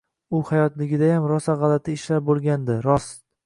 U hayotligidayam rosa g‘alati ishlar bo‘lgandi, rost.